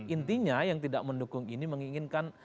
intinya yang tidak mendukung ini menginginkan